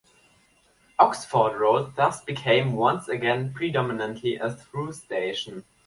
Oxford Road thus became once again predominantly a through station.